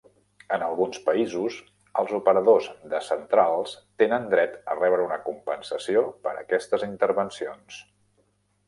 En alguns països els operadors de centrals tenen dret a rebre una compensació per aquestes intervencions.